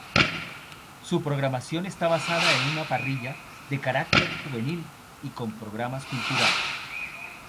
Su programación está basada en una parrilla de carácter juvenil y con programas culturales.